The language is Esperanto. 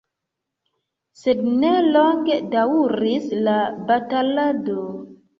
Sed ne longe daŭris la batalado.